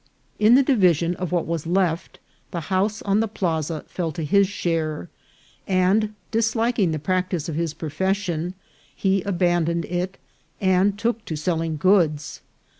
In the division of what was left, the house on the plaza fell to his share ; and disliking the practice of his profession, he abandoned it, and took to selling goods.